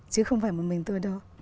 chứ không phải một mình tôi đâu